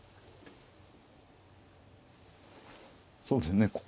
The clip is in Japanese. そうですね